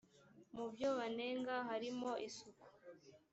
mu byo banenga harimo isuku